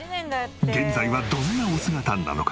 現在はどんなお姿なのか？